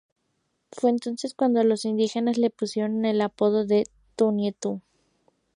Fue entonces cuando los indígenas le pusieron el apodo de "Tonatiuh".